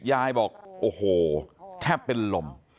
ยายบอกโอ้โหแทบเป็นลม